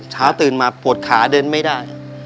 เช้าตื่นมาปวดขาเดินไม่ได้